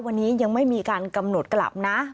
วันนี้ยังไม่มีการกำหนดกลับนะ